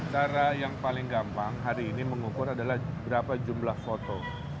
cara yang paling gampang hari ini mengukur adalah berapa jumlah foto